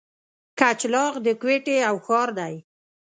کچلاغ د کوټي یو ښار دی.